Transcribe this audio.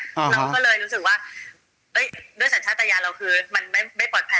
เราก็เลยรู้สึกว่าด้วยสัญชาติยานเราคือมันไม่ปลอดภัย